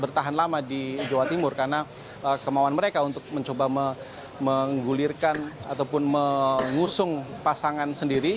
bertahan lama di jawa timur karena kemauan mereka untuk mencoba menggulirkan ataupun mengusung pasangan sendiri